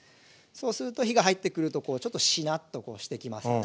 そうすると火が入ってくるとちょっとしなっとしてきますよね。